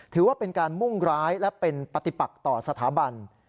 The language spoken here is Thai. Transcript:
ถือว่าเป็นการมุ่งร้ายและเป็นปฏิปักต่อสถาบัน